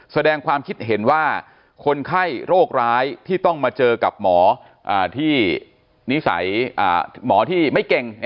แสดงความคิดเห็นว่าคนไข้โรคร้ายที่ต้องมาเจอกับหมอที่นิสัยหมอที่ไม่เก่ง